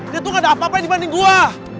dia tuh gak ada apa apa dibanding gua